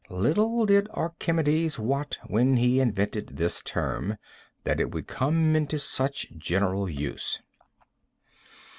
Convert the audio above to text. Little did Archimedes wot, when he invented this term, that it would come into such general use.